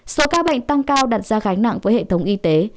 số ca bệnh tăng cao đặt ra gánh nặng với hệ thống y tế